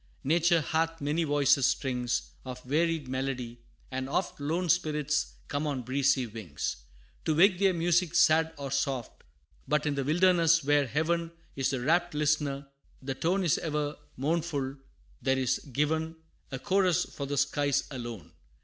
Nature hath many voices strings Of varied melody: and oft Lone spirits come on breezy wings, To wake their music sad or soft. But in the wilderness, where Heaven Is the wrapt listener, the tone Is ever mournful: there is given, A chorus for the skies, alone.